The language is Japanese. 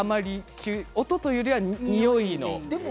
音というよりはにおいの方です。